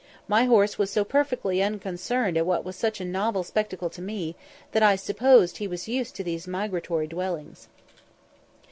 My horse was so perfectly unconcerned at what was such a novel spectacle to me, that I supposed he was used to these migratory dwellings.